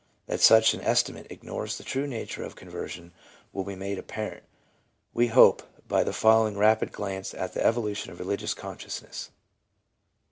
That such an estimate ignores the true nature of conversion will be made apparent, we hope, by the follow ing rapid glance at the evolution of religious conscious ness.